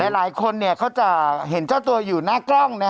หลายคนเขาจะเห็นเจ้าตัวอยู่หน้ากล้อง